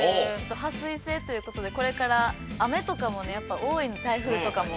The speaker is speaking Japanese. はっ水性ということで、これから雨とかもね、やっぱ多いんで、台風とかも。